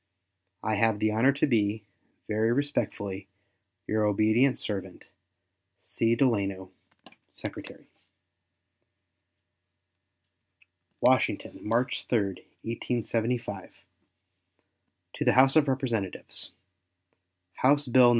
I have the honor to be, very respectfully, your obedient servant, C. DELANO, Secretary. WASHINGTON, March 3, 1875. To the House of Representatives: House bill No.